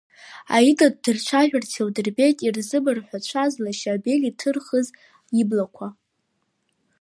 Аида ддырцәажәарц илдырбеит ирызмырҳәацәаз лашьа Абель иҭырхыз иблақәа.